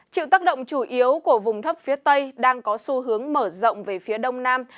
chịu tác động chủ yếu của vùng thấp phía tây đang có xu hướng mở rộng về phía đông nam